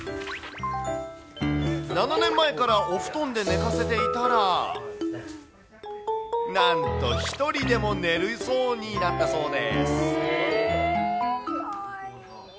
７年前からお布団で寝かせていたら、なんと一人でも寝るそうになったそうです。